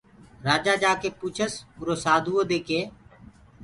راجآ جآڪي پوٚڇس اُرو سآڌوٚئودي ڪي